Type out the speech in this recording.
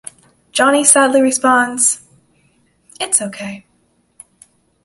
Johnny sadly responds, It's okay.